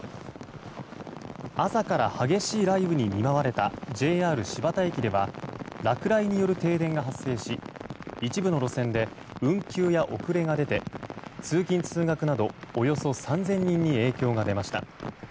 朝から激しい雷雨に見舞われたＪＲ新発田駅では落雷による停電が発生し一部の路線で運休や遅れが出て通勤・通学など、およそ３０００人に影響が出ました。